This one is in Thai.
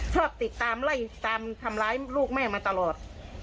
ชอบติดตามไล่ตามทำร้ายลูกแม่มาตลอด